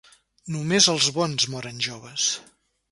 Només els bons moren joves.